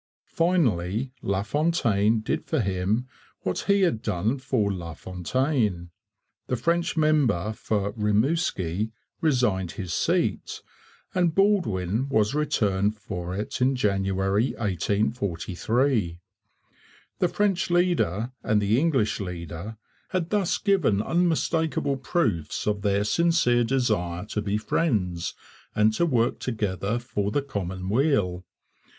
Finally LaFontaine did for him what he had done for LaFontaine. The French member for Rimouski resigned his seat, and Baldwin was returned for it in January 1843. The French leader and the English leader had thus given unmistakable proofs of their sincere desire to be friends and to work together for the common weal.